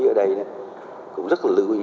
ở đây cũng rất là lưu ý